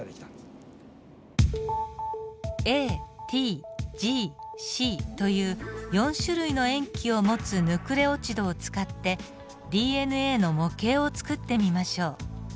ＡＴＧＣという４種類の塩基を持つヌクレオチドを使ってＤＮＡの模型を作ってみましょう。